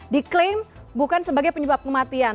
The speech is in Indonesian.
diklaim bukan sebagai penyebab kematian